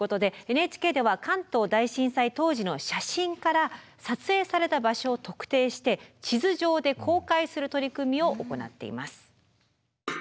ＮＨＫでは関東大震災当時の写真から撮影された場所を特定して地図上で公開する取り組みを行っています。